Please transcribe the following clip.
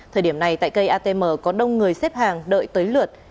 thời điểm này tại cây atm có đông người xếp hàng đợi tới lượt